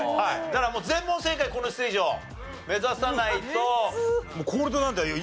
だから全問正解このステージは目指さないと。